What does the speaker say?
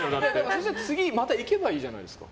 そうしたら次にまた行けばいいじゃない。